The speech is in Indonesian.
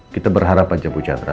kita berharap aja bu chandra